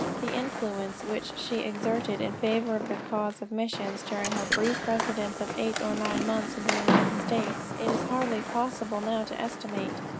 "The influence which she exerted in favor of the cause of missions during her brief residence of eight or nine months in the United States, it is hardly possible now to estimate.